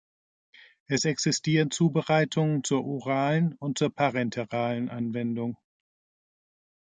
Es existieren Zubereitungen zur oralen und zur parenteralen Anwendung.